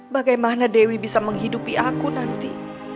bagaimana dewi bisa menghidupi aku nanti